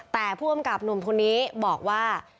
แต่ผู้กำกับหนุ่มคนนี้บอกว่า